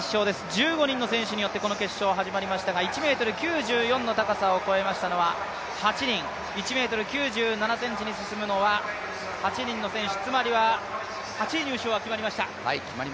１５人の選手によってこの決勝始まりましたが１ｍ９４の高さを超えましたのは８人、１ｍ９７ｃｍに進むのは８人の選手つまりは８位入賞は決まりました。